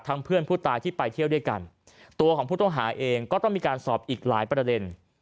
เพื่อนผู้ตายที่ไปเที่ยวด้วยกันตัวของผู้ต้องหาเองก็ต้องมีการสอบอีกหลายประเด็น